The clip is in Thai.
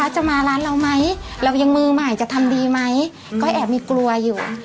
จะมาร้านเราไหมเรายังมือใหม่จะทำดีไหมก็แอบมีกลัวอยู่